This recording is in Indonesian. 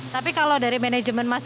tapi kalau dari manajemen